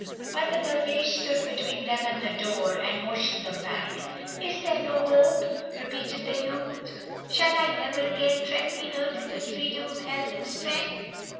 "But the Dervish stood between them and the door, and motioned them back. "'Is there no hope?' repeated the youth. 'Shall I never again tread the earth in the freedom of health and strength?